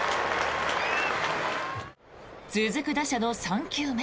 続く打者の３球目。